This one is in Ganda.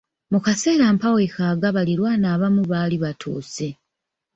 Mu kaseera mpawekaaga baliraanwa abamu baali batuuse.